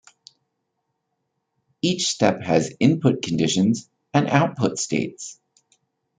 Each step has "input conditions" and "output states".